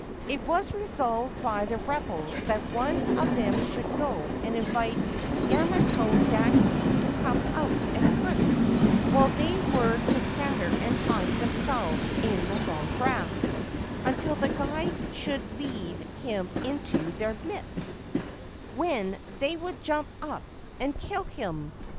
It was resolved by the rebels that one of them should go and invite Yamato dake to come out and hunt, while they were to scatter and hide themselves in the long grass, until the guide should lead him into their midst, when they would jump up and kill him.